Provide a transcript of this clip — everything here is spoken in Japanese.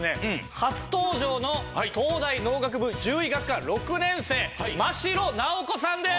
初登場の東大農学部獣医学科６年生真城奈央子さんです。